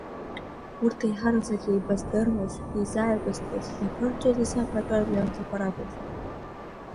Урҭ еиҳарак еибазырдыруаз, еизааигәазтәуаз иаԥырҵоз асахьаркыратә ҩымҭақәа ракәын.